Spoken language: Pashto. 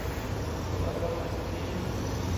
کوربه د وخت ارزښت پیژني.